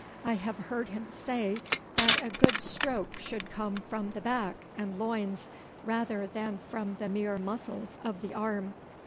I have heard him say that a good stroke should come from the back and loins rather than from the mere muscles of the arm.